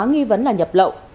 nghi vấn là nhập lậu